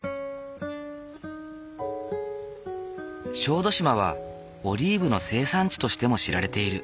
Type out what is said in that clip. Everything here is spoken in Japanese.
小豆島はオリーブの生産地としても知られている。